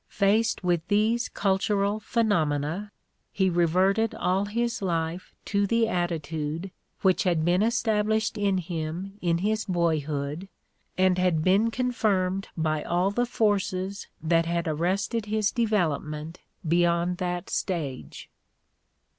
Faced with these cultural phenomena, he reverted all his life to the attitude which had been established in him in his boyhood and had been confirmed by all the forces that had arrested his development beyond that stage.